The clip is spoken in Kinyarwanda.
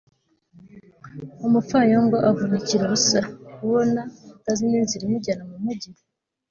umupfayongo avunikira ubusa, kubona atazi n'inzira imujyana mu mugi